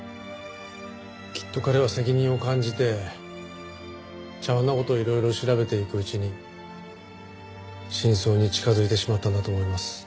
きっと彼は責任を感じて茶碗の事をいろいろ調べていくうちに真相に近づいてしまったんだと思います。